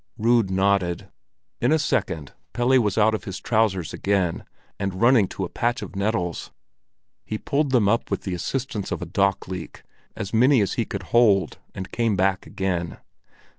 Rud nodded. In a second Pelle was out of his trousers again, and running to a patch of nettles. He pulled them up with the assistance of a dock leak, as many as he could hold, and came back again.